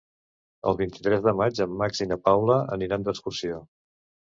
El vint-i-tres de maig en Max i na Paula aniran d'excursió.